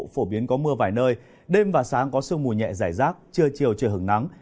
phổ biến có mưa vài nơi đêm và sáng có sương mù nhẹ giải rác trưa chiều trời hứng nắng